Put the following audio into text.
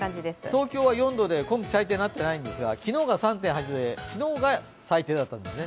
東京は４度で今季最低になっていないんですが昨日が３．８度で、昨日が最低だったんですね。